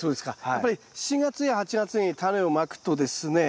やっぱり７月や８月にタネをまくとですね